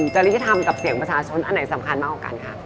จริยธรรมกับเสียงประชาชนอันไหนสำคัญมากกว่ากันคะ